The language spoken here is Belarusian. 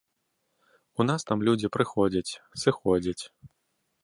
У нас там людзі прыходзяць, сыходзяць.